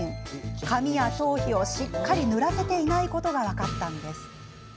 髪や頭皮をしっかり、ぬらせていないことが分かったんです。